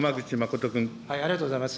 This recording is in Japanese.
ありがとうございます。